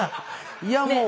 いやもう。